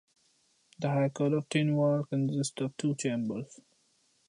The High Court of Tynwald consists of two chambers.